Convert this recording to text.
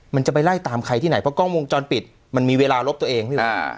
มันจะไปไล่ตามใครที่ไหนเพราะกล้องวงจรปิดมันมีเวลาลบตัวเองนี่แหละ